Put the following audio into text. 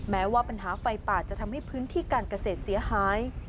แม้ว่าปัญหาไฟป่าจะทำให้พื้นที่การเกษตรเสียหาย